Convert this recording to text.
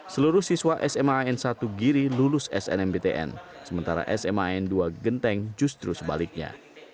seluruh siswa sma n satu giri lulus snmbtn sementara sma n dua genteng justru sebaliknya